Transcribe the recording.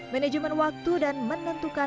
manajemen waktu dan menentukan